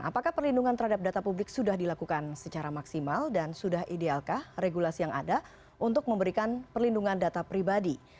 apakah perlindungan terhadap data publik sudah dilakukan secara maksimal dan sudah idealkah regulasi yang ada untuk memberikan perlindungan data pribadi